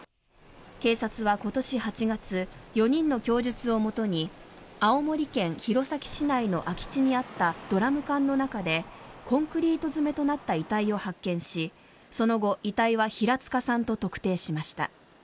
警察は今年８月４人の供述をもとに青森県弘前市内の空き地にあったドラム缶の中でコンクリート詰めとなった遺体を発見しその後、遺体は平塚さんと特定しました。